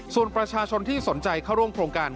ส่วนประชาชนที่สนใจเข้าร่วมโครงการ